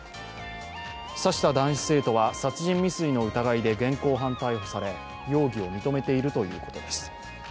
刺した男子生徒は殺人未遂の疑いで現行犯逮捕され容疑を認めているということです。